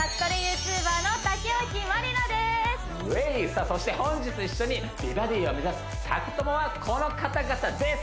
ウェイさあそして本日一緒に美バディを目指す宅トモはこの方々です！